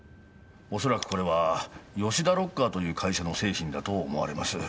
恐らくこれは吉田ロッカーという会社の製品だと思われます。